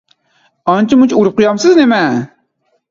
ئانچە-مۇنچە ئۇرۇپ قويامسىز نېمە؟